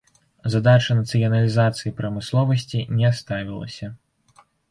Задача нацыяналізацыі прамысловасці не ставілася.